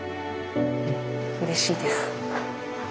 うれしいです。